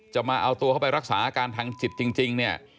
จะมาเอาตัวเขาไปรักษาการทางจิตจริง